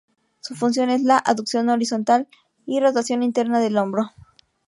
Su función es la aducción horizontal y rotación interna del hombro.